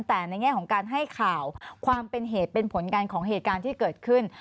แต่ในแง่ของการให้ข่าวความเป็นเหตุเป็นผลกันของเหตุการณ์ที่เกิดขึ้น